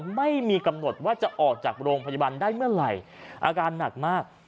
ไม่มีกำหนดว่าจะออกจากโรงพยาบาลได้เมื่อไหร่อาการหนักมาก